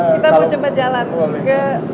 kita mau coba jalan ke